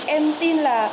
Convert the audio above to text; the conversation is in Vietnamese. em tin là